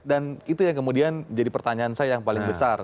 dan itu yang kemudian jadi pertanyaan saya yang paling besar